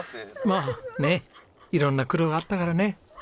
まあねっ色んな苦労があったからね。